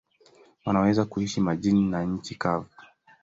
Wanaweza kuishi majini na nchi kavu.